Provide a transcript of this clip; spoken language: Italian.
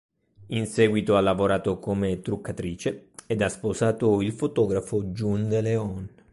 In seguito ha lavorato come truccatrice, ed ha sposato il fotografo Jun de Leon.